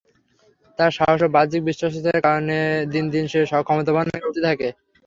তার সাহস ও বাহ্যিক বিশ্বস্ততার কারণে দিন দিন সে ক্ষমতাবান হয়ে উঠতে থাকে।